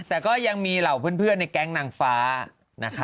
แต่ก็ยังมีเหล่าเพื่อนในแก๊งนางฟ้านะคะ